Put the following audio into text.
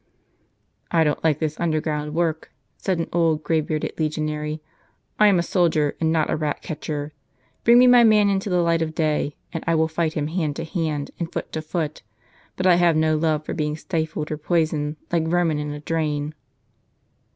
"I don't like this underground work," said an old, grey bearded legionary. "I am a soldier, and not a rat catcher. Biing me my man into the light of day, and I will fight him hand to hand, and foot to foot ; but I have no love for being stifled or poisoned, like vermin in a drain."